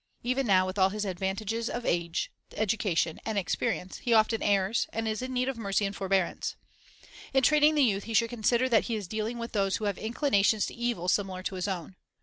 Even now, with all his advan tages of age, education, and experience, he often errs, and is in need of mercy and forbearance. In training the youth he should consider that he is dealing with those who have inclinations to evil similar to his own.